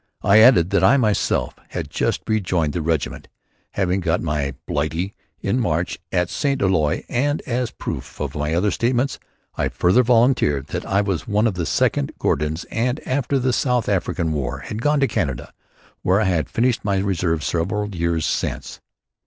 I added that I myself had just rejoined the regiment, having got my "Blighty" in March at St. Eloi and as proof of my other statements I further volunteered that I was one of the 2nd Gordons and after the South African War had gone to Canada where I had finished my reserve several years since.